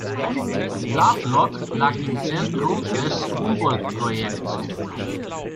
Lovelock lag im Zentrum des Humboldt Projects.